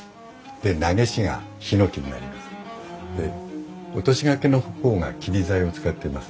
で落とし掛けの方が桐材を使っています。